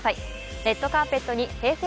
レッドカーペットにＨｅｙ！